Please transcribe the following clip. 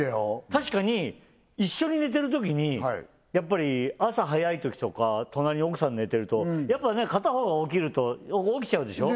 確かに一緒に寝てるときにやっぱり朝早いときとか隣に奥さん寝てるとやっぱ片方が起きると起きちゃうでしょ